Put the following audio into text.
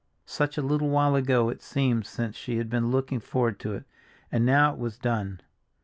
Such a little while ago it seemed since she had been looking forward to it, and now it was done.